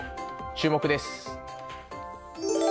注目です。